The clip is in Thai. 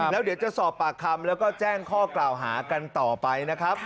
แล้วเดี๋ยวจะสอบปากคำแล้วก็แจ้งข้อกล่าวหากันต่อไปนะครับ